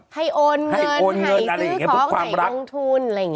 โอนเงินให้ซื้อของให้ลงทุนอะไรอย่างนี้